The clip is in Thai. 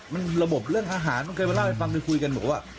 มันก็จะดังชุด